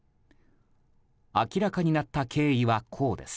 明らかになった経緯はこうです。